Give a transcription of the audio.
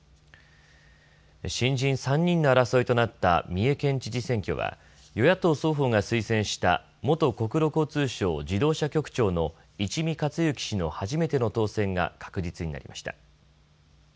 新人３人の争いとなった三重県知事選挙は与野党双方が推薦した元国土交通省自動車局長の一見勝之氏の初めての当選が確実になりました。